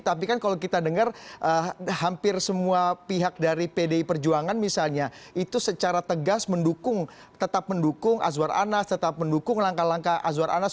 tapi kan kalau kita dengar hampir semua pihak dari pdi perjuangan misalnya itu secara tegas mendukung tetap mendukung azwar anas tetap mendukung langkah langkah azwar anas